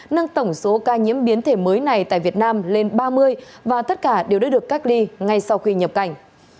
nâng tổng số ca nhiễm biến thể mới này tại việt nam lên ba mươi và tất cả đều đã được cách ly ngay sau khi nhập cảnh